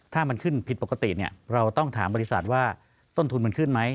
ถ้ามันขึ้นผิดปกติเราต้องถามบริษัทว่าต้นทุนมันขึ้นไหม